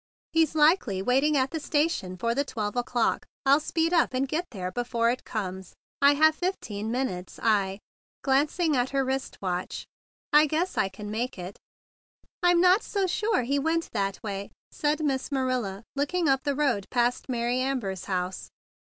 He's likely waiting at the sta¬ tion for the twelve o'clock. I'll speed up and get there before it comes. I have fifteen minutes. I"—glancing at her wrist watch—"I guess I can make it." "I'm not so sure he went that way," said Miss Marilla, looking up the road past Mary Amber's house.